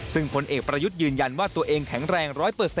ซึ่งผลเอกประยุทธ์ยืนยันว่าตัวเองแข็งแรง๑๐๐